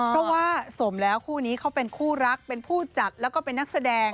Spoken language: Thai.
เพราะว่าสมแล้วคู่นี้เขาเป็นคู่รักเป็นผู้จัดแล้วก็เป็นนักแสดง